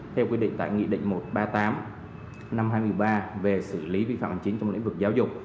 theo quy định tại nghị định một trăm ba mươi tám năm hai nghìn một mươi ba về xử lý vi phạm hành chính trong lĩnh vực giáo dục